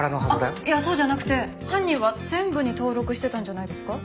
いやそうじゃなくて犯人は全部に登録してたんじゃないですか？